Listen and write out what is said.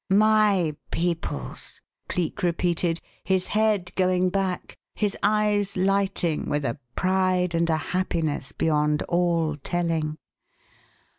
"My people's!" Cleek repeated, his head going back, his eyes lighting with a pride and a happiness beyond all telling.